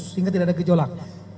sehingga tidak ada gejolak